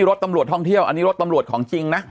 รถตำรวจท่องเที่ยวอันนี้รถตำรวจของจริงนะ